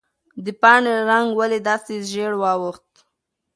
د پاڼې رنګ ولې داسې ژېړ واوښت؟